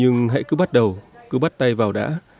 nhưng hãy cứ bắt đầu cứ bắt tay vào đã